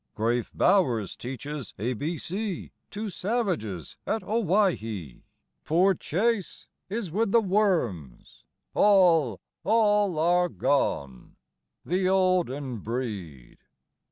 IX. Grave Bowers teaches A B C To savages at Owhyee; Poor Chase is with the worms! All, all are gone the olden breed!